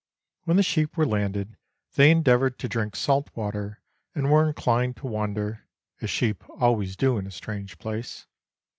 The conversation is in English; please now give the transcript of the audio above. When the sheep were lauded they endeavoured to drink salt water, and were in clined to wander (as sheep always do in a strange place).